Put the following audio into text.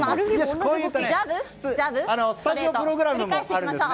こういったスタジオプログラムもあるんですね。